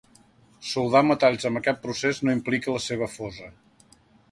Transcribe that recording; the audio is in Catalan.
Soldar metalls amb aquest procés no implica la seva fosa.